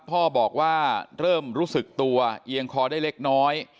พ่อบอกว่าเริ่มรู้สึกตัวเอียงคอได้เล็กน้อย